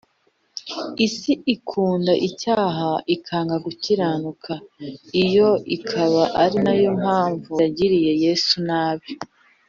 isi ikunda icyaha ikanga gukiranuka, iyo ikaba ari yo mpamvu yagiriye yesu nabi